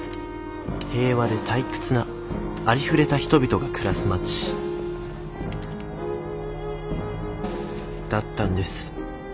平和で退屈なありふれた人々が暮らす町だったんです。